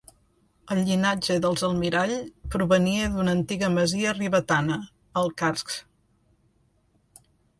El llinatge dels Almirall provenia d'una antiga masia ribetana: el Carç.